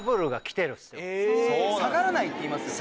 下がらないっていいますよね